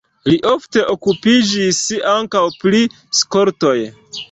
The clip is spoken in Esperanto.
Li ofte okupiĝis ankaŭ pri skoltoj.